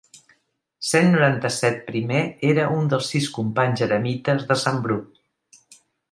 Cent noranta-set primer era un dels sis companys eremites de sant Bru.